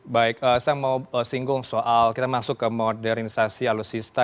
baik saya mau singgung soal kita masuk ke modernisasi alutsista